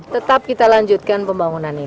tetap kita lanjutkan pembangunan ini